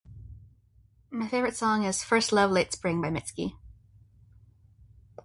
My favourite song is First Love/Late Spring by Mitski.